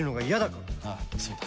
ああそうだ。